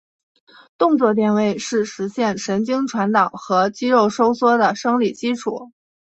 动作电位是实现神经传导和肌肉收缩的生理基础。